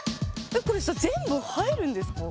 これさ全部入るんですか？